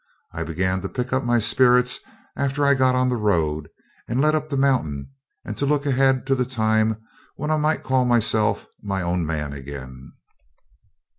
I began to pick up my spirits after I got on the road that led up the mountain, and to look ahead to the time when I might call myself my own man again.